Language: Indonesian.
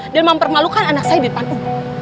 dan mempermalukan anak saya di depan ibu